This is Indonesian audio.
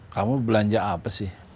kamu belanja apa